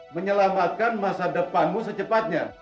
menyelamatkan masa depanmu secepatnya